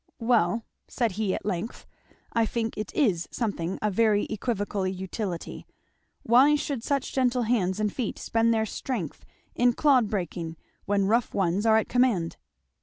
"Well," said he at length, "I think it is something of very equivocal utility. Why should such gentle hands and feet spend their strength in clod breaking, when rough ones are at command?"